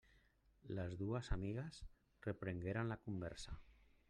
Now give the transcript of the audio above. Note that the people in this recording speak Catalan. Les dues amigues reprengueren la conversa.